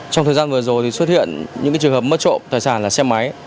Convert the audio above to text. trong thời gian vừa rồi thì xuất hiện những trường hợp mất trộm tài sản là xe máy